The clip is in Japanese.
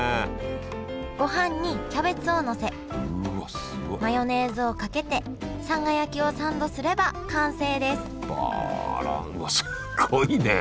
ご飯にキャベツをのせマヨネーズをかけてさんが焼きをサンドすれば完成ですわあすごいね。